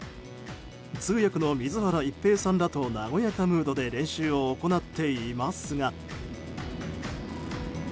通訳の水原一平さんらと和やかムードで練習を行っていますが。